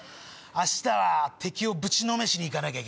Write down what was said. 明日は敵をぶちのめしに行かなきゃ。